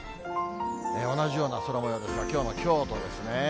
同じような空もようですが、きょうの京都ですね。